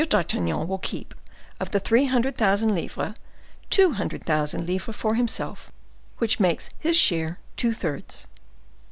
d'Artagnan will keep, of the three hundred thousand livres, two hundred thousand livres for himself, which will make his share two thirds."